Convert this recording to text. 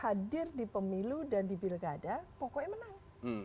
hadir di pemilu dan di bilkada pokoknya menang